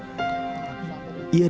sudah berjaya bertanya tanya